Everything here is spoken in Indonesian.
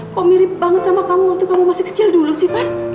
pemirip banget sama kamu waktu kamu masih kecil dulu sih van